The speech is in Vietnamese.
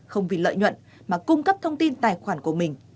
không vì lợi nhuận mà cung cấp thông tin tài khoản của mình